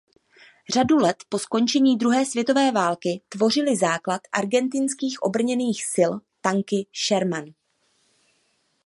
Řadu let po skončení druhé světové války tvořily základ argentinských obrněných sil tanky Sherman.